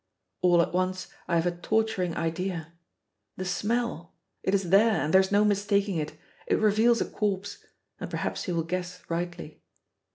All at once I have a torturing idea the smell! It is there, and there is no mistaking it. It reveals a corpse; and perhaps he will guess rightly.